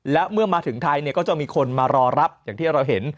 และเมื่อมาถึงไทยก็จะมีคนมารอรับอย่างที่เราเห็น